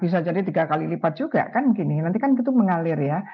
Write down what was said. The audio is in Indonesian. bisa jadi tiga kali lipat juga kan gini nanti kan itu mengalir ya